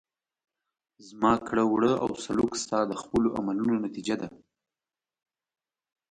زما کړه وړه او سلوک ستا د خپلو عملونو نتیجه ده.